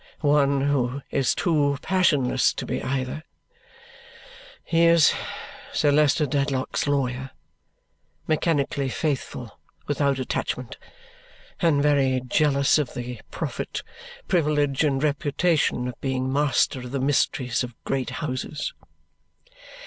One who is too passionless to be either. He is Sir Leicester Dedlock's lawyer, mechanically faithful without attachment, and very jealous of the profit, privilege, and reputation of being master of the mysteries of great houses."